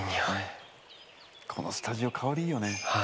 このスタジオ、香りいいよね。